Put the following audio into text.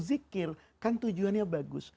zikir kan tujuannya bagus